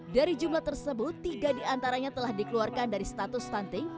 dari jumlah tersebut tiga diantaranya telah dikeluarkan dari status stunting